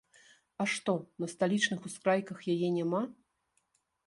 А што, на сталічных ускрайках яе няма?